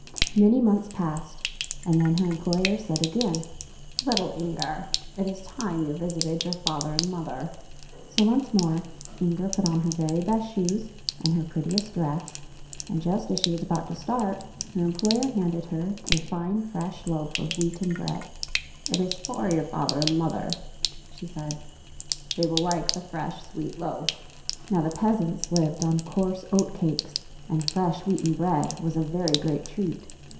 Many months passed, and then her em ployer said again, " Little Inger, it is time you visited your father and mother." So, once more, Inger put on her very best [ 22 ] INGER^S LOAF shoes and her prettiest dress; and just as she was about to start, her employer handed her a fine fresh loaf of wheaten bread. '' It is for your father and mother," she said. " They will like the fresh sweet loaf." Now the peasants lived on coarse oat cakes, and fresh wheaten bread was a very great treat.